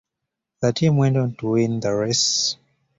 The team went on to win the race.